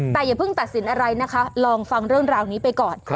แต่อย่าเพิ่งตัดสินอะไรนะคะลองฟังเรื่องราวนี้ไปก่อน